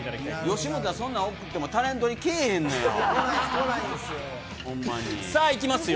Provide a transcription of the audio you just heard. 吉本はそんなん送ってもタレントにけえへんのよ。